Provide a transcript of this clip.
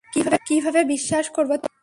কীভাবে বিশ্বাস করব তোমাকে?